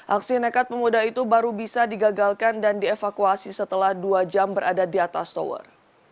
aksi nekat pemuda itu baru bisa digagalkan dan dievakuasi setelah dua jam berada di atas tower